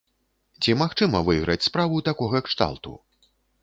Ці магчыма выйграць справу такога кшталту?